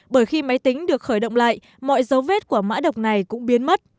bởi khi máy tính được khởi động lại mọi dấu vết của mã độc này cũng biến mất